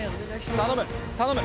頼む。